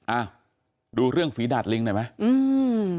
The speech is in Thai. อ้าวดูเรื่องฝีดาดลิงหน่อยไหมอืม